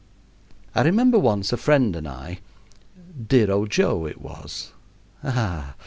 I remember once a friend and I dear old Joe, it was. Ah!